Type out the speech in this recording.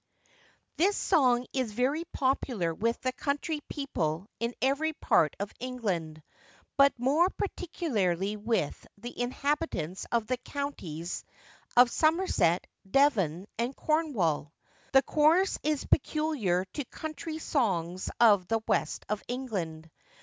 [THIS song is very popular with the country people in every part of England, but more particularly with the inhabitants of the counties of Somerset, Devon, and Cornwall. The chorus is peculiar to country songs of the West of England.